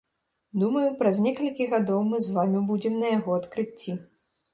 Думаю, праз некалькі гадоў мы з вамі будзем на яго адкрыцці.